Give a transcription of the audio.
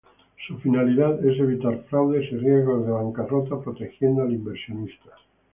Su finalidad es evitar fraudes y riesgo de bancarrota, protegiendo al inversionista.